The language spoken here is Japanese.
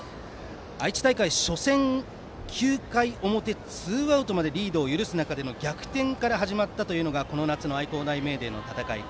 愛知大会初戦は９回表ツーアウトまでリードを許す中での逆転から始まったのがこの夏の愛工大名電の戦い。